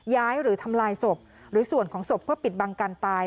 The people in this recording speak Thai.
หรือทำลายศพหรือส่วนของศพเพื่อปิดบังการตาย